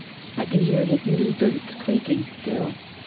I can hear his new boots creaking still.